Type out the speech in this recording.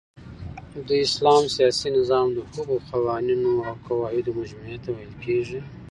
د اسلام سیاسی نظام د هغو قوانینو اوقواعدو مجموعی ته ویل کیږی